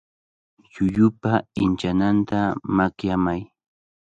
Llullupa inchananta makyamay.